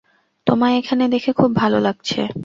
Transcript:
তোমায় এখানে দেখে খুব ভালো লাগছে।